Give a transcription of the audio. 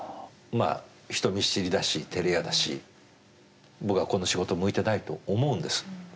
まあ人見知りだしてれ屋だし僕はこの仕事向いてないと思うんです。